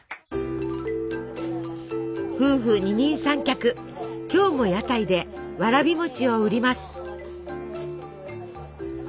夫婦二人三脚今日も屋台でわらび餅を売ります。